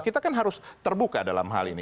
kita kan harus terbuka dalam hal ini